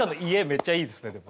めっちゃいいですねでも。